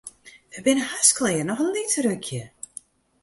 Wy binne hast klear, noch in lyts rukje.